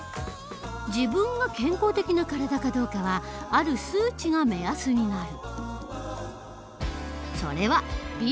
自分が健康的な体かどうかはある数値が目安になる。